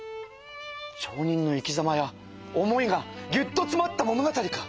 町人の生きざまや思いがギュッとつまった物語か！